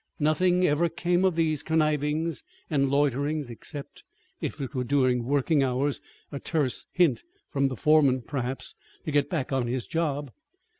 Nothing ever came of these connivings and loiterings except (if it were during working hours) a terse hint from the foreman, perhaps, to get back on his job.